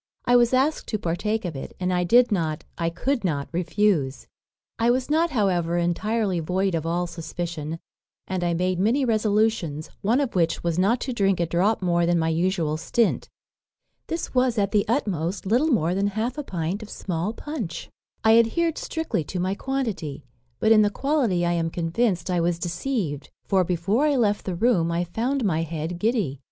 I was asked to partake of it, and I did not, I could not refuse. I was not, however, entirely void of all suspicion, and I made many resolutions; one of which was, not to drink a drop more than my usual stint. This was, at the utmost, little more than half a pint of small punch. "I adhered strictly to my quantity; but in the quality I am convinced I was deceived; for before I left the room I found my head giddy.